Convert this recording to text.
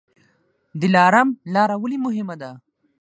دلارام لاره ولې مهمه ده؟